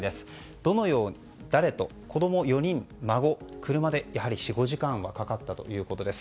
どのように子供４人、孫車で４５時間はかかったということです。